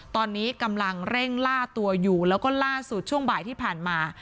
ตอนนี้กำลังเร่งล่าตัวอยู่แล้วก็ล่าสุดช่วงบ่ายที่ผ่านมา